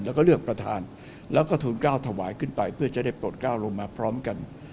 แล้วก็ทุนก้าวถวายขึ้นไปเพื่อจะได้ปลดก้าวลงมาพร้อมกัน